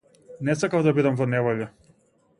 Не сакав да бидам во неволја.